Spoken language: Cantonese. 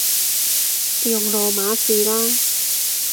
用羅馬字啦